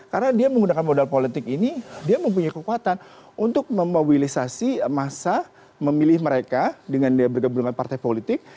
karena dia menggunakan modal politik ini dia mempunyai kekuatan untuk memobilisasi massa memilih mereka dengan berkembang dengan partai politik